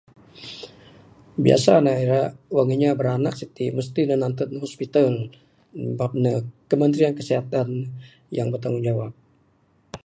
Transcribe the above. Biasa ne ira wang inya biranak siti mesti ne nanted neg hospital sabab kementerian kesihatan yang bertanggungjawab.